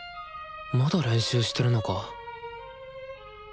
まだ練習してるのか？